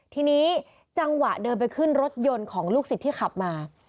ทีนี้จังหวะเดินไปขึ้นรถยนต์ของลูกศิษย์ที่ขับมา